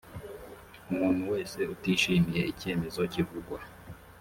umuntu wese utishimiye icyemezo kivugwa